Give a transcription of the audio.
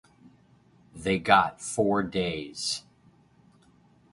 They got four days.